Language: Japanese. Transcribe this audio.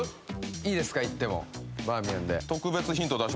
いいですかいってもバーミヤンでえっ！？